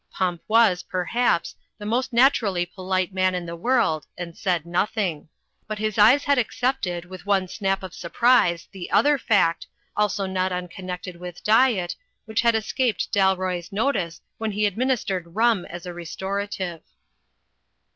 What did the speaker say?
Pump was, per haps, the most naturally polite man in the world, and said nothing. But his eyes had accepted, with one snap of siu prise, the other fact, also not unconnected with diet, which had escaped Dalroy's notice when he administered rum as a restorative.